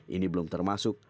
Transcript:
ini belum termasuk